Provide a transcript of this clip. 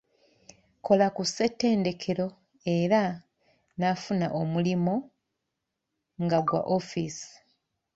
Kola ku Ssetendekero era nafuna omulimu nga gwa office.